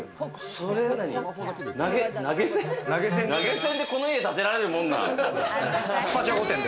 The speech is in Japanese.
その前に投げ銭でこの家、建てられるもんなん？